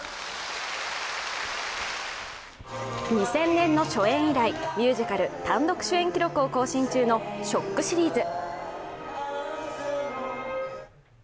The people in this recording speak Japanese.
２０００年の初演以来ミュージカル単独主演記録を更新中の「ＳＨＯＣＫ」シリーズ。